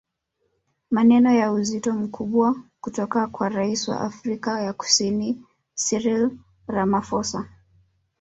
Maneno ya uzito mkubwa kutoka kwa Rais wa Afrika ya Kusini Cyril Ramaphosa